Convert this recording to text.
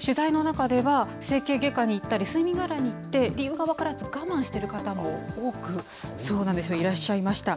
取材の中では、整形外科に行ったり、睡眠外来に行って、理由が分からず、我慢している方も多くいらっしゃいました。